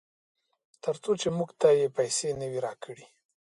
ترڅو چې موږ ته یې پیسې نه وي راکړې.